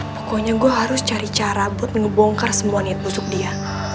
pokoknya gue harus cari cara buat menu bongkar semua niat busuk dia